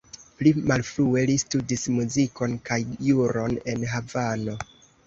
Pli malfrue li studis muzikon kaj juron en Havano.